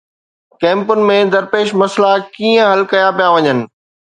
ڪئمپن ۾ درپيش مسئلا ڪيئن حل ڪيا پيا وڃن؟